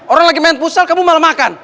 orang lagi main pusal kamu malah makan